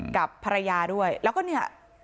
กับภรรยาด้วยแล้วก็เนี่ย